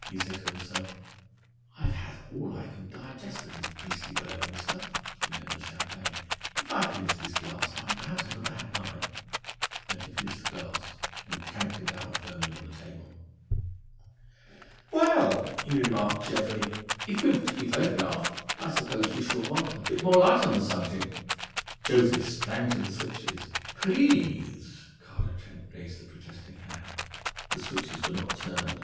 He said to himself: "I've had all I can digest of this beastly balloony stuff." (He meant the champagne.) "If I finish this glass, I'm bound to have a bad night." And he finished the glass, and planked it down firmly on the table. "Well," he remarked aloud cheerfully, "if we're to be photographed, I suppose we shall want a bit more light on the subject." Joseph sprang to the switches. "Please!" Carlo Trent raised a protesting hand. The switches were not turned.